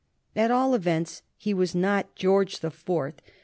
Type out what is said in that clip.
At all events, he was not George the Fourth.